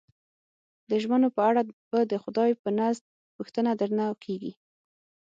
د ژمنو په اړه به د خدای په نزد پوښتنه درنه کېږي.